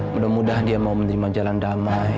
mudah mudahan dia mau menerima jalan damai